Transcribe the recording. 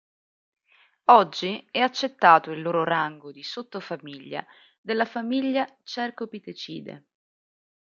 Oggi è accettato il loro rango di sottofamiglia della famiglia Cercopithecidae.